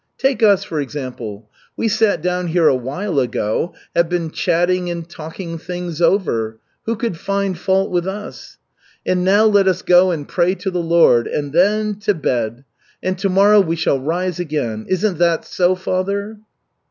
Take us, for example. We sat down here a while ago, have been chatting and talking things over who could find fault with us? And now let us go and pray to the Lord, and then to bed. And tomorrow we shall rise again. Isn't that so, father?"